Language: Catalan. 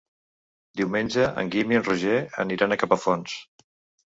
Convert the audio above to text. Diumenge en Guim i en Roger aniran a Capafonts.